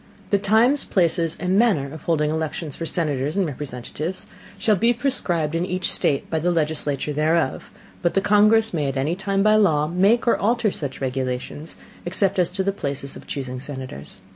The Times, Places and Manner of holding Elections for Senators and Representatives, shall be prescribed in each State by the Legislature thereof; but the Congress may at any time by Law make or alter such Regulations, except as to the Places of chusing Senators.